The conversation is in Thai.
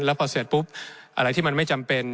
แล้วพอเสร็จปุ๊บอะไรที่มันไม่จำเป็น